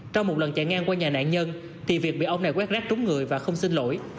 trong một lần chạy ngang qua nhà nạn nhân thì việc bị ông này quét rác trúng người và không xin lỗi